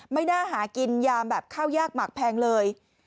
ไม่น่าหากินยามแบบข้าวยากหมักแพงเลย